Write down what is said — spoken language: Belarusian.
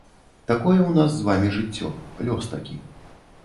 Такое ў нас з вамі жыццё, лёс такі.